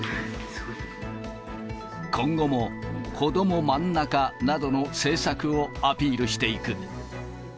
今後も、こどもまんなかなどの政策をアピールしていく。